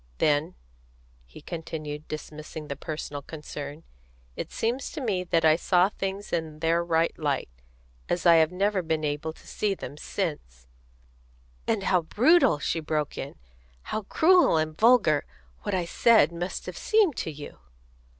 Then," he continued, dismissing the personal concern, "it seems to me that I saw things in their right light, as I have never been able to see them since " "And how brutal," she broke in, "how cruel and vulgar, what I said must have seemed to you!"